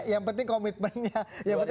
yang penting komitmennya